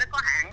nó có hạn